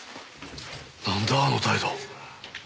なんだあの態度。